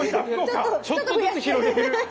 ちょっとずつ広げる。